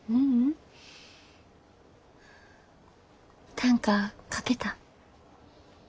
短歌書けた？